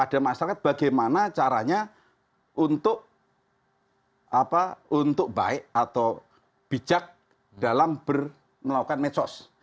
ada masyarakat bagaimana caranya untuk baik atau bijak dalam melakukan medsos